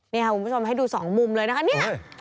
นี่ค่ะคุณผู้ชมให้ดูสองมุมเลยนะคะเนี่ย